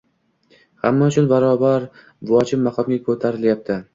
hamma uchun barobar vojib maqomga ko‘tarilyapti.